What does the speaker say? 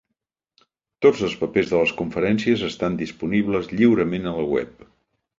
Tots els papers de les conferències estan disponibles lliurement a la web.